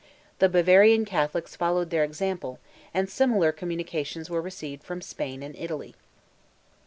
The Bavarian Catholics followed their example, and similar communications were received from Spain and Italy.